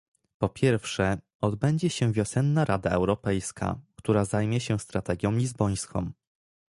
Po pierwsze, odbędzie się wiosenna Rada Europejska, która zajmie się strategią lizbońską